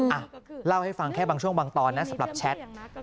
อ่ะเล่าให้ฟังแค่บางช่วงบางตอนนะสำหรับแชท